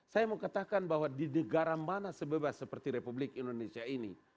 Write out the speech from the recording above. saya mau katakan bahwa di negara mana sebebas seperti republik indonesia ini